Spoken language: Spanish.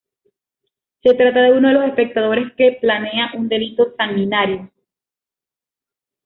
Se trata de uno de los espectadores, que planea un delito sanguinario.